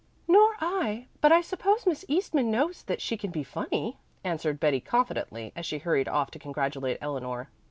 "Nor I, but I suppose Miss Eastman knows that she can be funny," answered Betty confidently, as she hurried off to congratulate Eleanor.